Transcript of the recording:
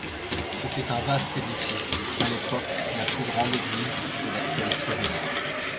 C'était un vaste édifice, à l'époque la plus grande église de l'actuelle Slovénie.